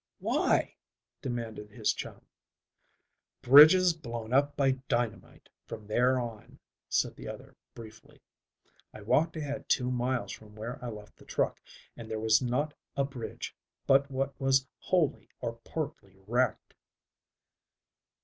"Why?" demanded his chum. "Bridges blown up by dynamite from there on," said the other briefly. "I walked ahead two miles from where I left the truck and there was not a bridge but what was wholly or partly wrecked."